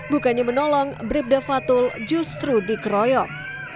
bukannya menolong bribda fatul justru dikeroyok